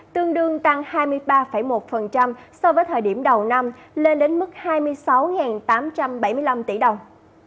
tương đương tăng hai mươi ba một so với thời điểm đầu năm lên đến mức hai mươi sáu tám trăm bảy mươi năm tỷ đồng